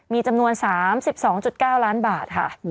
มีจำนวน๓๒๙ล้านบาทค่ะ